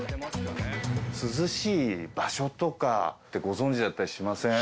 涼しい場所とかってご存じだったりしません？